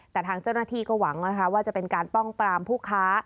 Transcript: แต่ทางเจ้าหน้าที่ก็หวังนะคะว่าจะเป็นการป้องปรามผู้ค้า